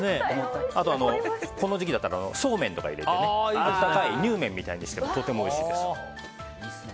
あと、この時期だったらそうめんとか入れて、温かいにゅうめんみたいにしてもとてもおいしいです。